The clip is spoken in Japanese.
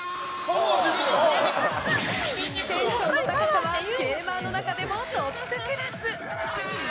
テンションの高さはゲーマーの中でもトップクラス。